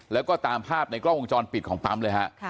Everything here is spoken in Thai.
แล้วก็ตามภาพในกล้องวงจรปิดของปั๊มเลยฮะ